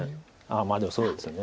でもそうですよね。